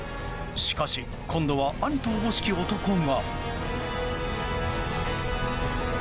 しかし今度は兄と思しき男が。